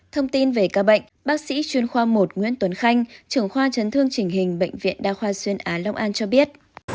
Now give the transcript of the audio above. thông tin về ca bệnh bác sĩ chuyên khoa một nguyễn tuấn khanh trưởng khoa chấn thương chỉnh hình bệnh viện đa khoa xuyên á long an cho biết